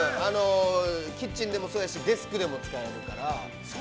キッチンでもそうだし、デスクでも使えるから。